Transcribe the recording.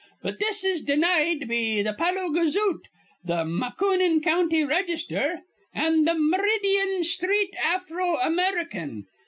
But this is denied be th' Palo Gazoot, the Macoupin County Raygisther, an' th' Meridyan Sthreet Afro American.